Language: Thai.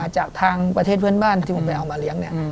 จากทางประเทศเพื่อนบ้านที่ผมไปเอามาเลี้ยง